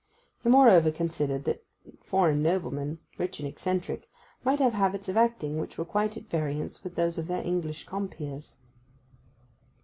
He moreover considered that foreign noblemen, rich and eccentric, might have habits of acting which were quite at variance with those of their English compeers.